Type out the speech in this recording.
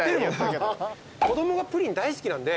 子供がプリン大好きなんで。